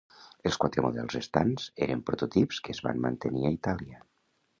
Els quatre models restants eren prototips que es van mantenir a Itàlia.